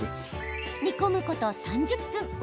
煮込むこと３０分。